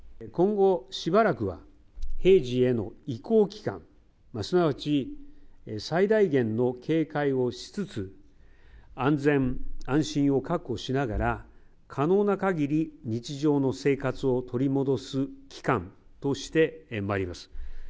今後、しばらくは平時への移行期間、すなわち最大限の警戒をしつつ、安全安心を確保しながら、可能なかぎり日常の生活を取り戻す期間としてまいります。